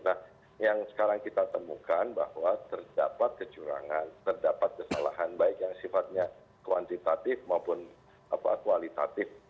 nah yang sekarang kita temukan bahwa terdapat kecurangan terdapat kesalahan baik yang sifatnya kuantitatif maupun kualitatif